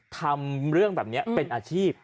ทำเรื่องแบบนี้เป็นอาชีพ